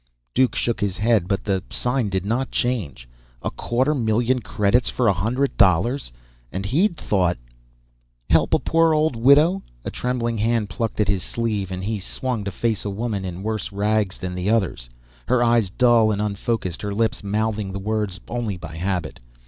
Duke shook his head but the sign did not change. A quarter million credits for a hundred dollars. And he'd thought "Help a poor old widow." A trembling hand plucked at his sleeve, and he swung to face a woman in worse rags than the others, her eyes dull and unfocused, her lips mouthing the words only by habit.